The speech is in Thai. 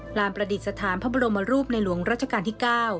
ประดิษฐานพระบรมรูปในหลวงรัชกาลที่๙